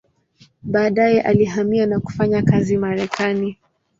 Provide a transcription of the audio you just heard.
Baadaye alihamia na kufanya kazi Marekani.